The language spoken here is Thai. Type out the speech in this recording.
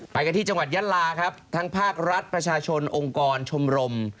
ไปกันที่จังหวัดยะลาครับทั้งภาครัฐประชาชนองค์กรชมรม